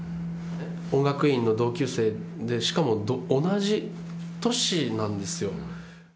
音楽院の同級生で、しかも同じ年なんですよ。